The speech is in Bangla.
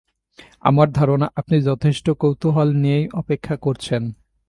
আমার ধারণা আপনি যথেষ্ট কৌতূহল নিয়েই অপেক্ষা করছেন।